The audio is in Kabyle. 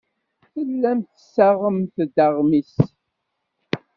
Tellamt tessaɣemt-d aɣmis.